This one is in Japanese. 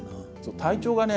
体調もね